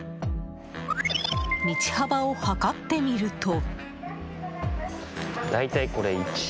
道幅を測ってみると。